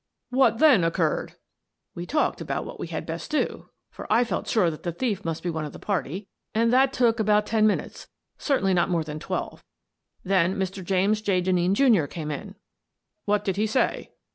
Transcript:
" What then occurred? "" We talked about what we had best do, — for I felt sure that the thief must be one of the party, — and that took about ten minutes — certainly not more than twelve. Then Mr. James J. Den neen, Jr., came in." "What did he say?"